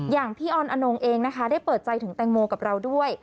อย่างพี่ออนอนงเองนะคะได้เปิดใจถึงแตงโมกับเราด้วย